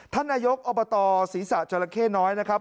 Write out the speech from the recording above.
ท่านนายกอบตศีรษะจราเข้น้อยนะครับ